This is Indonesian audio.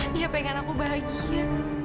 dia pengen aku bahagia